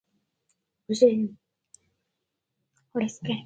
د کلونو پر چې ګومین ټانګ خپل پلازمېنه نن بیجینګ ته انتقال کړ.